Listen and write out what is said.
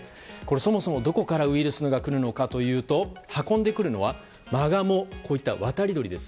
どこからウイルスが来るのかというと運んでくるのはマガモなどの渡り鳥です。